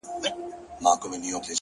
• په ځنگله كي سو دا يو سل سرى پاته,